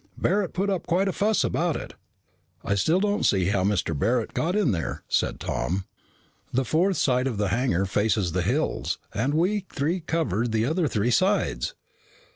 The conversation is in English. Barret put up quite a fuss about it." "I still don't see how Mr. Barret got in there," said Tom. "The fourth side of the hangar faces the hills, and we three covered the other three sides."